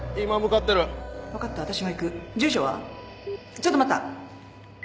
ちょっと待った。